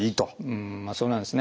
まあそうなんですね。